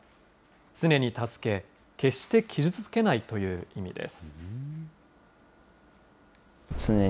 常に助け、決して傷つけないという意味です。